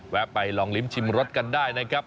ไปลองลิ้มชิมรสกันได้นะครับ